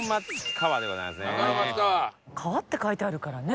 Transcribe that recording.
「川」って書いてあるからね。